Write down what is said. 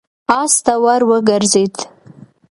آس ته ور وګرځېد.